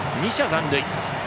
２者残塁。